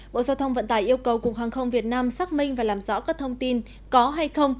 bộ giao thông vận tải yêu cầu cục hàng không việt nam xác minh và làm rõ các thông tin có hay không